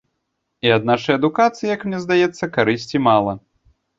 І ад нашай адукацыі, як мне здаецца, карысці мала.